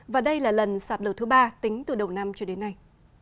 và đây là lần sạt lở thứ ba tính từ đầu năm cho đến nay